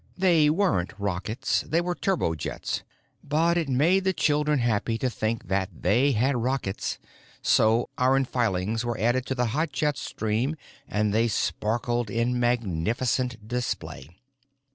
(They weren't rockets. They were turbo jets. But it made the children happy to think that they had rockets, so iron filings were added to the hot jet stream, and they sparkled in magnificent display.)